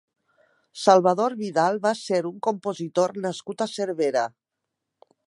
Salvador Vidal va ser un compositor nascut a Cervera.